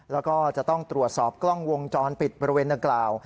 แล้วก็จะต้องตรวจสอบกล้องวงจรปิดบริเวณดังกล่าว